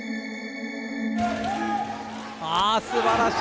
あすばらしい！